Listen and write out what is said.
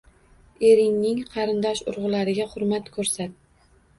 Eringning qarindosh-urug‘lariga hurmat ko‘rsat!